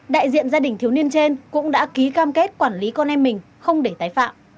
đại diện gia đình thiếu niên trên cũng đã ký cam kết quản lý con em mình không để tái phạm